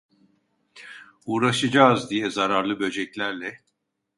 Uğraşacağız diye zararlı böceklerle...